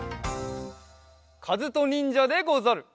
かずとにんじゃでござる！